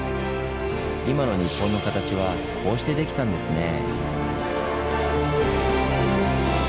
今の日本の形はこうしてできたんですねぇ。